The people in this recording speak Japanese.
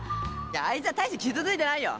あいつは大して傷ついてないよ